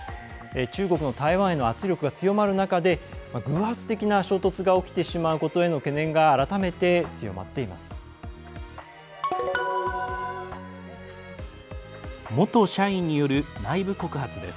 中国の台湾への圧力が強まる中で偶発的な衝突が起きてしまうことへの懸念が改めて強まっています。